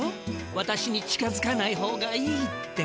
わたしに近づかないほうがいいって。